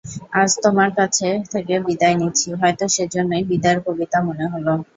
আজ তোমার কাছ থেকে বিদায় নিচ্ছি, হয়তো সেইজন্যেই বিদায়ের কবিতা মনে হল।